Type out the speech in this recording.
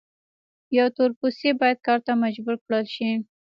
یو تور پوستی باید کار ته مجبور کړل شي.